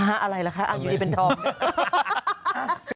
หาอะไรแหละคะอยู่ที่เป็นทอง